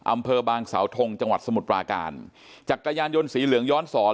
อำเภอบางสาวทงจังหวัดสมุทรปราการจักรยานยนต์สีเหลืองย้อนสอน